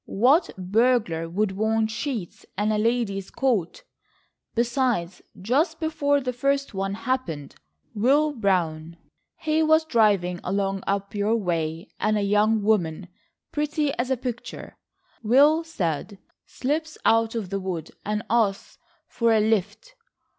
What burglar would want sheets and a lady's coat? Besides just before the first one happened, Will Brown, he was driving along up your way and a young woman, pretty as a picter, Will said, slips out of the wood and asks for a lift.